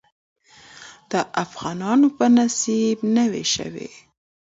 د افغانانو په نصيب نوى شوې.